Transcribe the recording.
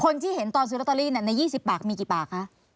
คนที่เห็นตอนซื้อลอตเตอรี่ใน๒๐ปากมีกี่ปากคะ